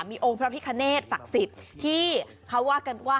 มีองค์พระพิคเนตศักดิ์สิทธิ์ที่เขาว่ากันว่า